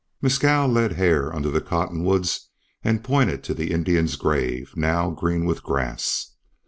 Mescal led Hare under the cottonwoods and pointed to the Indian's grave, now green with grass.